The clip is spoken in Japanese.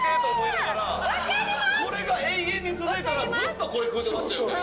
これが永遠に続いたらずっとこれ食ってましたよね。